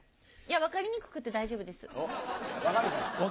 分かりにくくて大丈夫ですか？